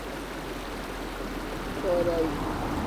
کوریائی